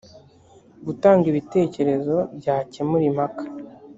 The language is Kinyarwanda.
gutanga ibitekerezo byakemura impaka